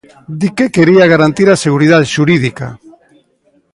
Di que quería garantir a seguridade xurídica.